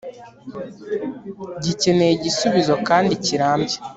gikeneye igisubizo, kandi kirambye